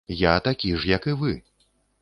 Я такі ж, як і вы.